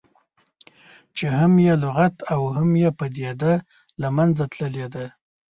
چې هم یې لغت او هم یې پدیده له منځه تللې ده.